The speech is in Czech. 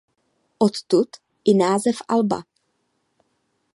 Odtud i název alba.